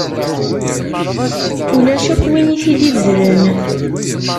Ulac akk win i t-id-ibedren.